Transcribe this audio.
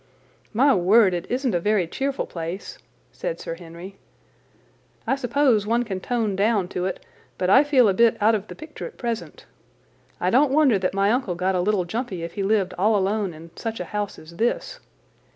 "My word, it isn't a very cheerful place," said Sir Henry. "I suppose one can tone down to it, but I feel a bit out of the picture at present. I don't wonder that my uncle got a little jumpy if he lived all alone in such a house as this.